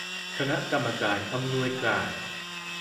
คณะกรรมการอำนวยการ